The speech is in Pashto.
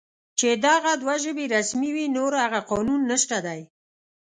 چې دغه دوه ژبې رسمي وې، نور هغه قانون نشته دی